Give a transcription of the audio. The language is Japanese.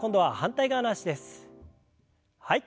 はい。